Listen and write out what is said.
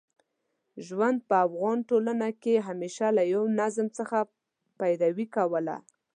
ژوند په افغان وطن کې همېشه له یوه نظم څخه پیروي کوله.